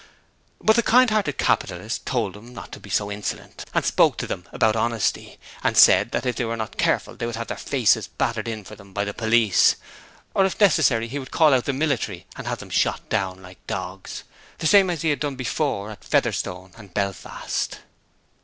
But the kind hearted Capitalist told them not to be insolent, and spoke to them about honesty, and said if they were not careful he would have their faces battered in for them by the police, or if necessary he would call out the military and have them shot down like dogs, the same as he had done before at Featherstone and Belfast.